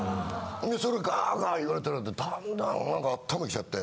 でそれをガーガー言われてるとだんだんなんか頭来ちゃって。